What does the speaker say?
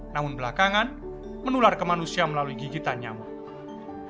namun belakangan menular ke manusia melalui gigitan nyamuk